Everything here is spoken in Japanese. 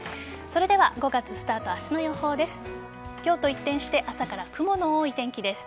それでは５月スタートの明日の予報です。